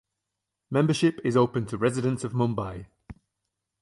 Membership is open to residents of Mumbai.